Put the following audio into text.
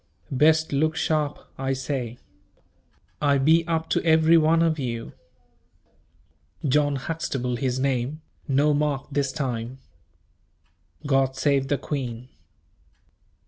Best look sharp I say. I be up to every one of you. John Huxtable his name, no mark this time. God save the queen."